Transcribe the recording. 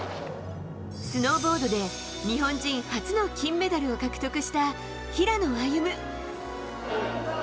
スノーボードで、日本人初の金メダルを獲得した平野歩夢。